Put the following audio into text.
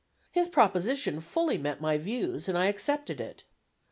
His proposition fully met my views, and I accepted it.